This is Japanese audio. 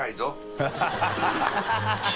ハハハ